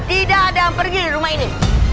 tidak ada yang pergi di rumah ini